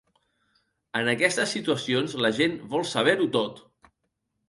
En aquestes situacions, la gent vol saber-ho tot.